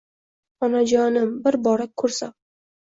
Onajonim bir-bora kursam